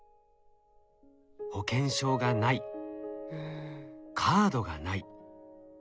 「保険証がない」「カードがない」。